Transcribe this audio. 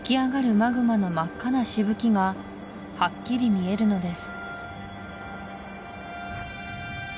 マグマの真っ赤なしぶきがはっきり見えるのです